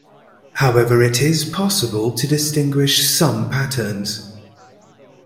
However it is possible to distinguish some patterns.